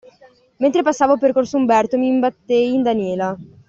Mentre passavo per Corso Umberto, mi imbattei in Daniela.